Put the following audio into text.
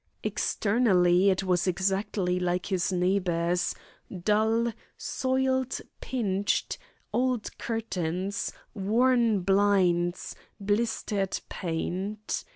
Externally it was exactly like its neighbours, dull, soiled, pinched, old curtains, worn blinds, blistered paint.